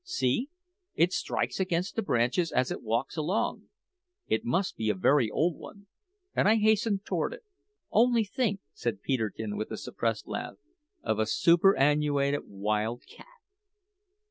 See, it strikes against the branches as it walks along. It must be a very old one;" and I hastened towards it. "Only think," said Peterkin with a suppressed laugh, "of a superannuated wild cat!"